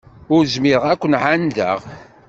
Ur zmireɣ ad k-ɛandeɣ.